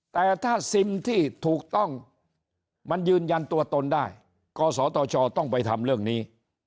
แต่ถ้าซิมที่ถูกต้องมันยืนยันตัวตนได้กศตชต้องไปทำเรื่องนี้